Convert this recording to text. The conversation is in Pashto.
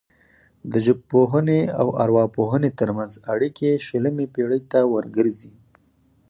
د ژبپوهنې او ارواپوهنې ترمنځ اړیکې شلمې پیړۍ ته ورګرځي